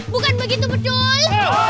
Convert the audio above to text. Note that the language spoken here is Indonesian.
bukan begitu betul